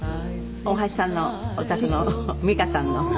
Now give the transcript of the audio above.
大橋さんのお宅の美加さんの。